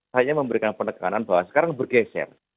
saya memberikan penekanan bahwa sekarang bergeser